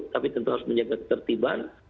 tapi tentu harus menjaga ketertiban